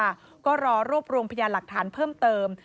ซึ่งก็รอรวบรวมพญาหร์หรักฐานเพิ่มเติม